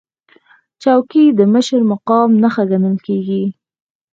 چوکۍ د مشر مقام نښه ګڼل کېږي.